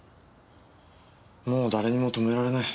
もう誰にも止められない。